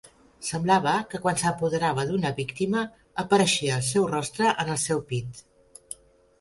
Semblava que quan s'apoderava d'una víctima, apareixia el seu rostre en el seu pit.